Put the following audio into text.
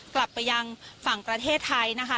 กลับไปยังฝั่งประเทศไทยนะคะ